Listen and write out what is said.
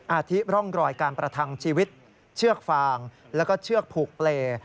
อาทิร่องรอยการประทังชีวิตเชือกฟางแล้วก็เชือกผูกเปรย์